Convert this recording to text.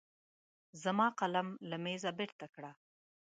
زما قلم له مېزه بېرته کړه.